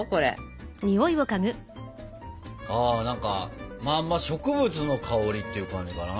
あ何かまあ植物の香りっていう感じかな？